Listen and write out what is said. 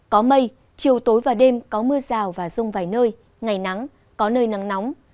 có mây chiều tối và đêm có mưa rào và rông vài nơi ngày nắng có nơi nắng nóng